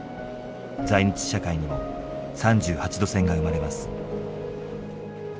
在日社会にも３８度線が生まれます。